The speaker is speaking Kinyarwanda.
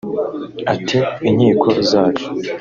Ati “Inkiko zacu